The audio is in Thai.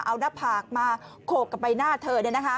เอาหน้าผากมาโขกกับใบหน้าเธอ